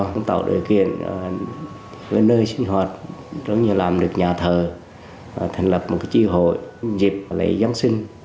cũng tạo điều kiện với nơi sinh hoạt rất nhiều làm được nhà thờ thành lập một tri hội dịp lễ giáng sinh